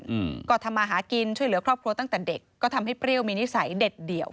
อืมก็ทำมาหากินช่วยเหลือครอบครัวตั้งแต่เด็กก็ทำให้เปรี้ยวมีนิสัยเด็ดเดี่ยว